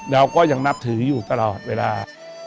เราก็ยังนับถืออยู่ตลอดเวลา